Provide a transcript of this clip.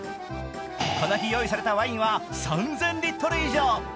この日、用意されたワインは３０００リットル以上。